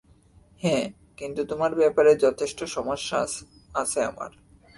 হ্যা, কিন্তু তোমার ব্যাপারে যথেষ্ট সমস্যা আছে আমার।